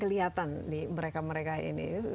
kelihatan di mereka mereka ini